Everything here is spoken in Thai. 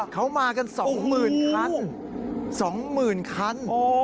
เขามากันสองหมื่นคันสองหมื่นคัน